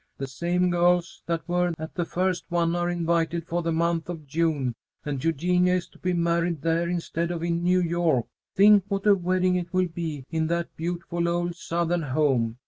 The same girls that were at the first one are invited for the month of June, and Eugenia is to be married there instead of in New York. Think what a wedding it will be, in that beautiful old Southern home!